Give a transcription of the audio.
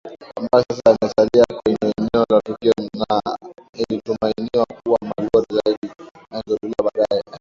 ambayo sasa yamesalia kwenye eneo la tukio na ilitumainiwa kuwa malori zaidi yangeondolewa baadaye